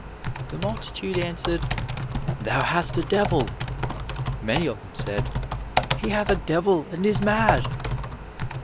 The multitude answered, "Thou hast a devil." Many of them said, "He hath a devil and is mad."